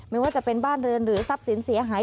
ไม่ว่าจะเป็นบ้านเรือนหรือทรัพย์สินเสียหาย